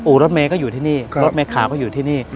รถเมย์ก็อยู่ที่นี่รถเมฆขาวก็อยู่ที่นี่